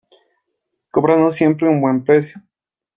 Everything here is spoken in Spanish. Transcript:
Cobrando siempre un buen precio.